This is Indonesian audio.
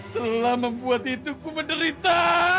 telah membuat hidupku menderita